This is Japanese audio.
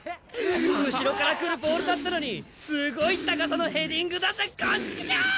後ろから来るボールだったのにすごい高さのヘディングだぜこんちくしょう！